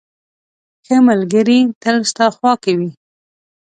• ښه ملګری تل ستا خوا کې وي.